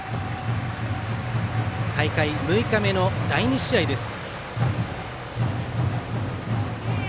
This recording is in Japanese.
大会６日目の第２試合です。